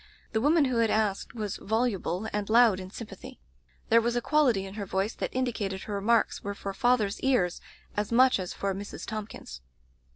The woman who had asked was voluble and loud in sympathy. There was a quality in her voice that indicated her remarks were for father's ears as much as for Mrs. Thomp kins's.